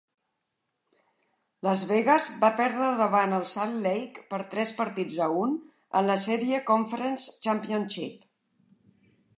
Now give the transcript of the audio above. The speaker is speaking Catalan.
Las Vegas va perdre davant el Salt Lake per tres partits a un en la sèrie Conference Championship.